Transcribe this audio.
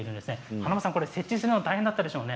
花元さん、設置するのは大変だったでしょうね。